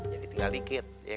jadi tinggal dikit iya kan